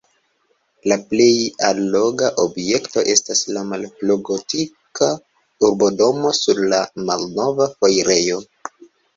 La plej alloga objekto estas la malfrugotika urbodomo sur la Malnova Foirejo.